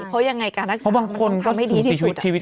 เพราะอย่างไรการทักษะมันจะทำไม่ดีที่สุด